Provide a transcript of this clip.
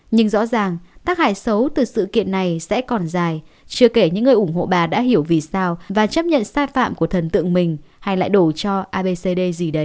nhưng rõ ràng tác hại xấu từ sự kiện này sẽ còn dài chưa kể những người ủng hộ bà đã hiểu vì sao và chấp nhận sai phạm của thần tượng mình hay lại đổ cho abcd gì đấy